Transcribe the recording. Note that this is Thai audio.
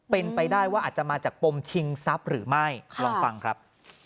เป็นไปได้ว่าอาจจะมาจากปมชิงทรัพย์หรือไม่ลองฟังครับ